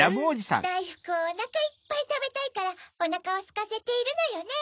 だいふくをおなかいっぱいたべたいからおなかをすかせているのよねぇ。